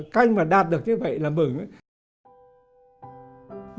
canh mà đạt được như vậy là mừng